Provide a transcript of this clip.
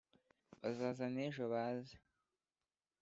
bazaza n’ejo baaze